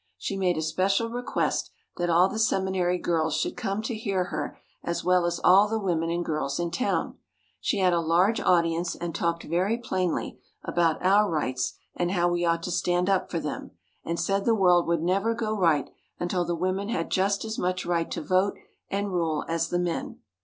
She made a special request that all the seminary girls should come to hear her as well as all the women and girls in town. She had a large audience and she talked very plainly about our rights and how we ought to stand up for them, and said the world would never go right until the women had just as much right to vote and rule as the men.